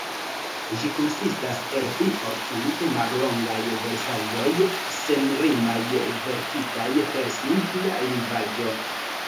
Ĝi konsistas el pli ol cent mallongaj versaĵoj, senrimaj, verkitaj per simpla lingvaĵo.